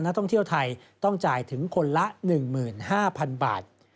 ท่องเที่ยวไทยต้องจ่ายถึงคนละ๑๕๐๐๐บาท